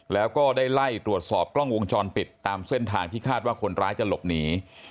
แล้วก็ได้ไล่ตรวจสอบกล้องวงจรปิดตามเส้นทางที่คาดว่าคนร้ายจะหลบหนี